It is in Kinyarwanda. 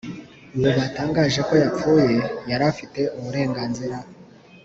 uwo batangaje ko yapfuye yari afite uburenganzira